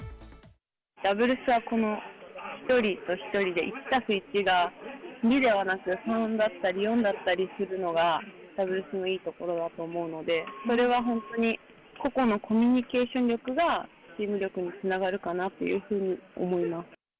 ダブルスはこの１人と１人で１＋１が２ではなく、３だったり４だったりするのが、ダブルスのいいところだと思うので、それは本当に個々のコミュニケーション力がチーム力につながるかなというふうに思います。